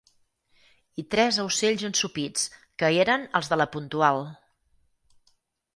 ...i tres aucells ensopits, que eren els de «La Puntual».